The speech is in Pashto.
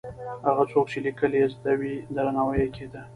هغه څوک چې لیکل یې زده وو، درناوی یې کېده.